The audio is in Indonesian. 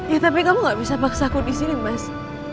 ya tapi kamu gak bisa paksaku disini mas